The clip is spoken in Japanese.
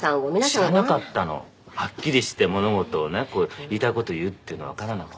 知らなかったの。はっきりして物事をね言いたい事言うっていうのわからなくて。